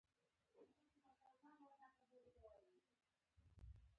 د ناپلیون د واک دوره ده.